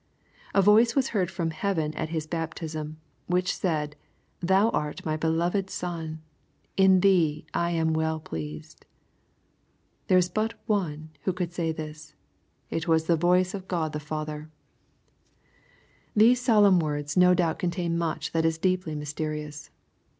A voice was heard from heaven at His baptism, " which said. Thou art my beloved Son ; in thee I am well pleased." There is but One who could iay this. It waa the voice of God the Father. 104 SXPOSITOBY THOnOHTa These solemn words no doubt contain much that is deeply mysterious.